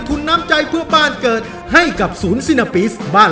ทุนน้ำใจเพื่อบ้านเกิดให้กับศูนย์ซินาปิสบ้าน